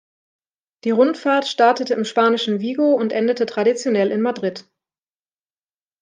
Die Rundfahrt startete im spanischen Vigo und endete traditionell in Madrid.